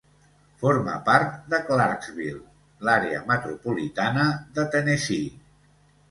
Forma part de Clarksville, l'àrea metropolitana de Tennessee.